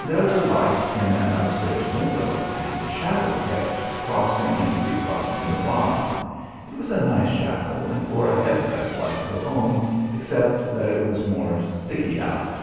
There were lights in an upstairs window and a shadow kept crossing and recrossing the blind. It was a nice shadow and wore a head dress like her own except that it was more sticky out.